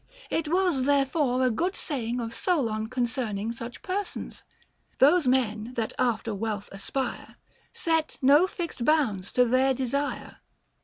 It was therefore a good saying of Solon concerning such persons : Those men that after wealth aspire Set no fixed bounds to their desire.